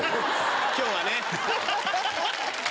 今日はね。